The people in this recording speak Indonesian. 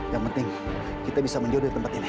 yang penting kita bisa menjauh dari tempat ini